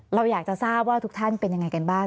เราอยากจะทราบว่าทุกท่านเป็นยังไงกันบ้าง